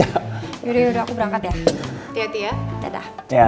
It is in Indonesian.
yaudah yaudah aku berangkat ya